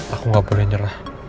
aku gak boleh nyerah